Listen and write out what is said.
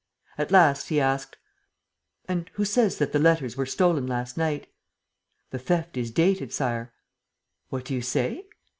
At last, he asked: "And who says that the letters were stolen last night?" "The theft is dated, Sire." "What do you say?"